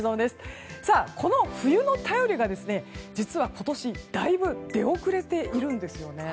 この冬の便りが実は今年だいぶ出遅れているんですよね。